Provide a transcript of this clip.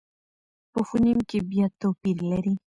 په فونېم کې بیا توپیر لري.